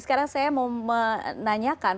sekarang saya mau menanyakan